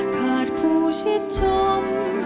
ขาดคู่ชิดชม